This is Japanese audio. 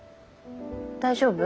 大丈夫？